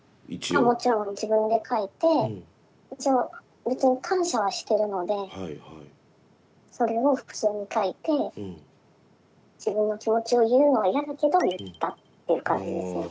ああもちろん自分で書いて一応別に感謝はしてるのでそれを普通に書いて自分の気持ちを言うのは嫌だけど言ったっていう感じですね。